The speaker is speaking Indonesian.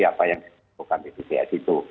apa yang dikutukan di ppts itu